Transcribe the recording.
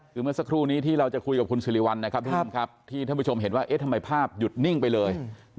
เมื่อสักครู่นี้ที่เราจะคุยกับคุณสิริวัลนะครับที่ท่านผู้ชมเห็นว่าทำไมภาพหยุดนิ่งไปเลย